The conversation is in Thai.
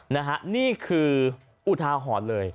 นี่คืออุทาหอนเลย